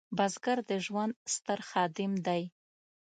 بزګر د ژوند ستر خادم دی